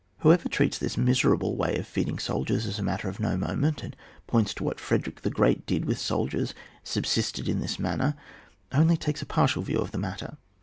Whoever treats this miserable way of feeding soldiers as a matter of no moment, and points to what Frederick the Great did with soldiers subsisted in this manner, only takes a partial view of the matter.